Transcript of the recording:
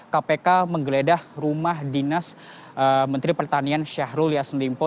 kpk menggeledah rumah dinas menteri pertanian syahrul yassin limpo